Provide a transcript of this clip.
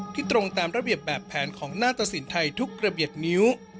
ตรงตามระเบียบแบบแผนของหน้าตะสินไทยทุกระเบียบนิ้ว